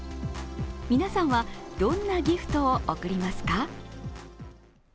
皆さんは、どんなギフトを贈りますか？